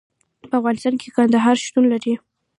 په افغانستان کې کندهار شتون لري.